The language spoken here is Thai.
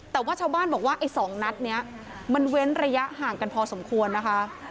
แต่ว่าชาวบ้านบอกว่าไอ้๒นัดนี้มันเว้นระยะห่างกันพอสมควรนะคะ